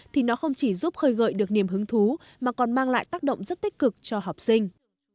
thì nó không chỉ giúp khơi gợi được niềm hứng thú mà còn mang lại tác động rất tích cực cho học sinh